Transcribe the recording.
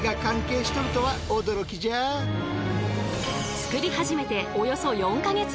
作り始めておよそ４か月以上。